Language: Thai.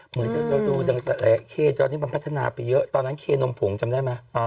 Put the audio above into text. เหมือนเราดูตั้งแต่เคตอนนี้มันพัฒนาไปเยอะตอนนั้นเคนมผงจำได้ไหม